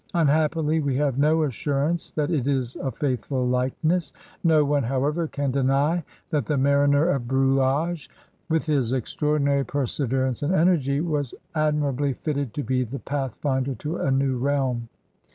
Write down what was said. Unhappily we have no assurance that it is a faithful likeness. No one, however, can deny that the mariner of Brouage, with his extraordinary perseverance and energy, was admirably fitted to be the pathfinder to a new realm.